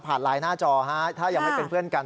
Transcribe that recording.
ไลน์หน้าจอฮะถ้ายังไม่เป็นเพื่อนกัน